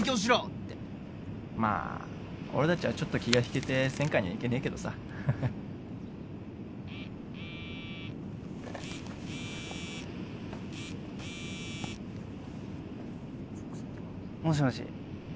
ってまあ俺達はちょっと気が引けて専科には行けねえけどさもしもし？